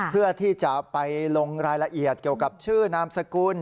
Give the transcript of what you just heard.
เพื่อที่จะไปลงรายละเอียดเกี่ยวกับชื่อนามสกุล